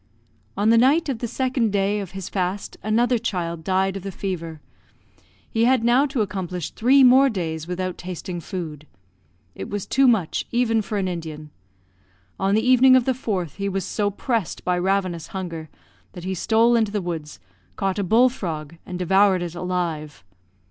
On the night of the second day of his fast another child died of the fever. He had now to accomplish three more days without tasting food. It was too much even for an Indian. On the evening of the fourth, he was so pressed by ravenous hunger, that he stole into the woods, caught a bull frog, and devoured it alive.